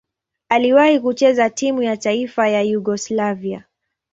Aliwahi kucheza timu ya taifa ya Yugoslavia.